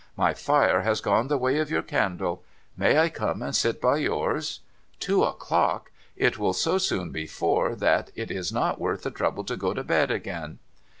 My fire has gone the way of your candle. May I come and sit by yours ? Two o'clock ! It will so soon be four, that it is not worth the trouble to go to bed again.'